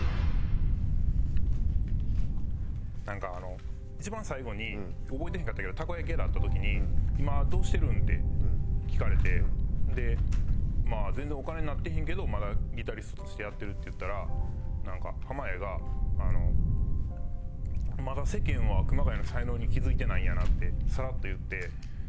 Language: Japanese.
なんか一番最後に覚えてへんかったけどたこ焼き屋で会った時に「今どうしてるん？」って聞かれて「まあ全然お金になってへんけどまだギタリストとしてやってる」って言ったらなんか濱家が「まだ世間は熊谷の才能に気付いてないんやな」ってサラッと言って。